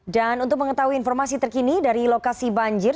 dan untuk mengetahui informasi terkini dari lokasi banjir